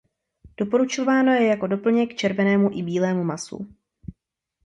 Doporučováno je jako doplněk k červenému i bílému masu.